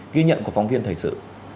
ghi nhận của phóng viên thầy sự